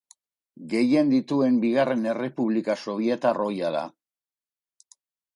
Gehien dituen bigarren errepublika sobietar ohia da.